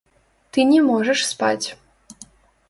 Ты не можаш спаць.